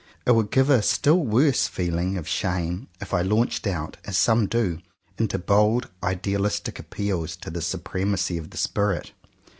It would give a still worse feeling of shame if I launched out, as some do, into bold idealistic appeals to the su premacy of the spirit.